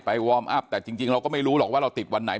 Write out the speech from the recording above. วอร์มอัพแต่จริงเราก็ไม่รู้หรอกว่าเราติดวันไหน